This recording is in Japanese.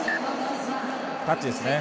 タッチですね。